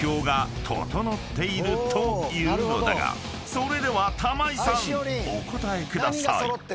［それでは玉井さんお答えください］